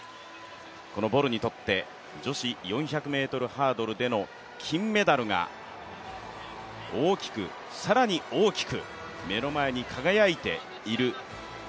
このボルにとって女子４００ｍハードルでの金メダルが大きく、更に大きく目の前に輝いている。